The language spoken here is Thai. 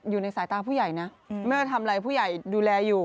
อยู่ในสายตาผู้ใหญ่นะแม่ทำอะไรผู้ใหญ่ดูแลอยู่